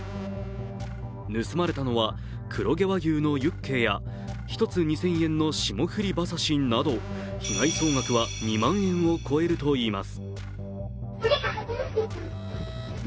盗まれたのは黒毛和牛のユッケや１つ２０００円の霜降り馬刺しなど被害総額は２万円を超えるといいます。